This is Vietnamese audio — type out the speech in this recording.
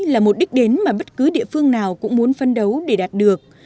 là mục đích đến mà bất cứ địa phương nào cũng muốn phân đấu để đạt được